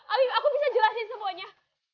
ayo aku bisa jelasin semuanya